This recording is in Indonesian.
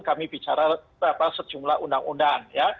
kami bicara sejumlah undang undang